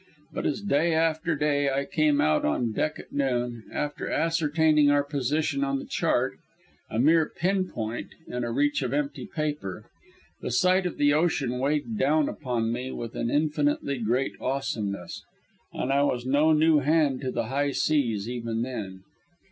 But as day after day I came out on deck at noon, after ascertaining our position on the chart (a mere pin point in a reach of empty paper), the sight of the ocean weighed down upon me with an infinitely great awesomeness and I was no new hand to the high seas even then.